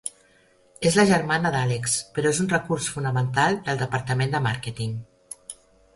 És la germana d'Àlex, però és un recurs fonamental del departament de màrqueting.